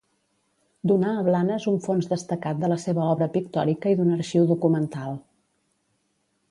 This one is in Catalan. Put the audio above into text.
Donà a Blanes un fons destacat de la seva obra pictòrica i d'un arxiu documental.